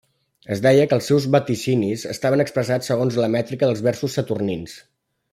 Es deia que els seus vaticinis estaven expressats segons la mètrica dels versos saturnins.